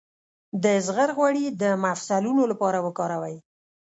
د زغر غوړي د مفصلونو لپاره وکاروئ